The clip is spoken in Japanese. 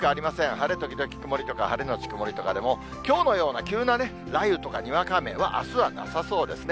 晴れ時々曇りとか、晴れ後曇りとかでも、きょうのような急な雷雨とかにわか雨は、あすはなさそうですね。